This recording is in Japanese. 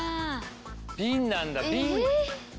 瓶なんだ。